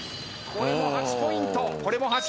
これも８ポイントです。